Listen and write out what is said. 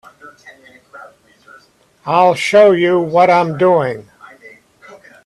I'll show you what I'm doing.